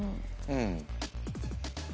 うん。